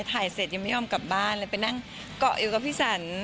ถ่ายเสร็จยังไม่ยอมกลับบ้านเลยไปนั่งเกาะอยู่กับพี่สัน